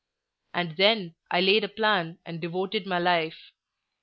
And then I laid a plan and devoted my life.